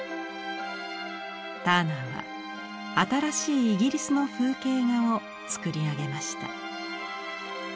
ターナーは新しいイギリスの風景画をつくり上げました。